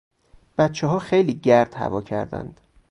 بچهها خیلی گرد هوا کردند.